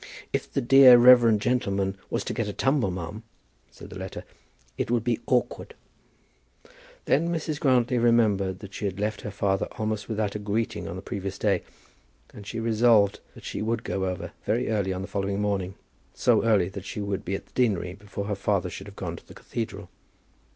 "If the dear reverend gentleman was to get a tumble, ma'am," said the letter, "it would be awkward." Then Mrs. Grantly remembered that she had left her father almost without a greeting on the previous day, and she resolved that she would go over very early on the following morning, so early that she would be at the deanery before her father should have gone to the cathedral.